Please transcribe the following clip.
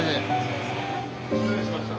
失礼しました。